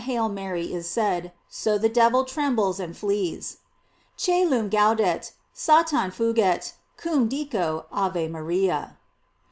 647 * "Hail Mary" is said, so the devil trembles and flees: "Ccelum gaudet, Satan fugit, cum dico, Ave Maria."